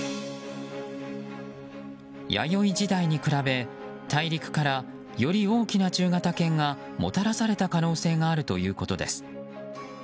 弥生時代に比べ大陸からより大きな中型犬がもたらされた可能性があるということです。